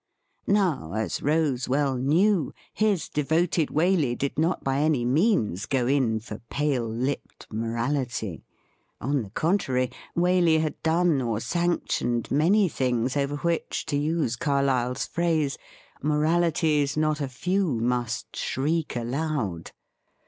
Now, as Rose well knew, his devoted Waley did not by any means go in for pale lipped morality. On the con trary, Waley had done, or sanctioned, many things over which — ^to use Carlyle's phrase —' moralities not a few must shriek aloud.'